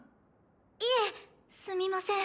いえすみません。